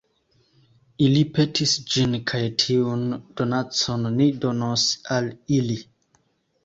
Ili petis ĝin kaj tiun donacon ni donos al ili.